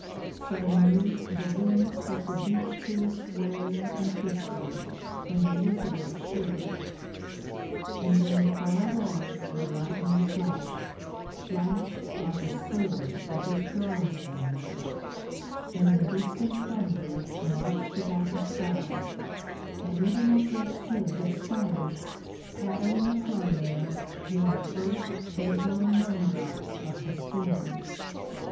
Suddenly the wind set the beech trees swaying and whispering, and Elizabeth shivered. And then far away the lightning flashed, flashed like a sword that is drawn suddenly, and the distant thunder marched about the sky, and even as they stood astonished, pattering upon them came the first headlong raindrops of the storm.